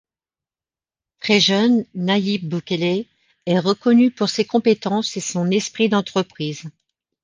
Très jeune, Nayib Bukele est reconnu pour ses compétences et son esprit d'entreprise.